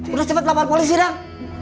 udah cepet lapor polisi dang